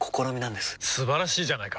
素晴らしいじゃないか！